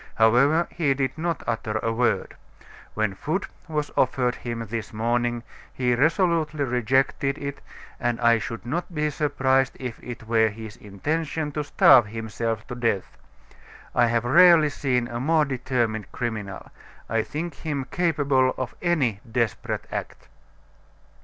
However, he did not utter a word. When food was offered him this morning, he resolutely rejected it, and I should not be surprised if it were his intention to starve himself to death. I have rarely seen a more determined criminal. I think him capable of any desperate act."